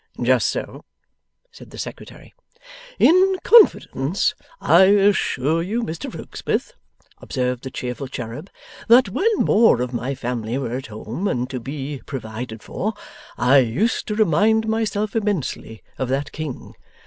'Just so,' said the Secretary. 'In confidence, I assure you, Mr Rokesmith,' observed the cheerful cherub, 'that when more of my family were at home and to be provided for, I used to remind myself immensely of that king.